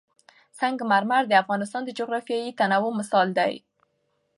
سنگ مرمر د افغانستان د جغرافیوي تنوع مثال دی.